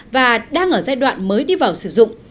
và đang ở giai đoạn mới đi vào sử dụng